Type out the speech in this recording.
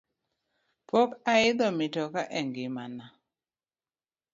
Pok ayidho mitoka e ngima na